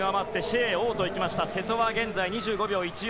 瀬戸は現在２５秒１４。